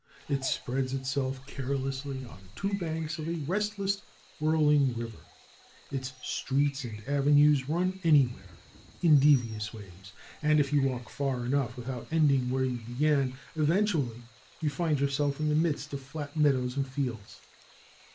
It spreads itself care lessly on two banks of a restless, whirling river. Its streets and avenues run anywhere, in devious ways, and if you walk far enough without ending where you be gan, eventually you find yourself in the midst of flat meadows and fields.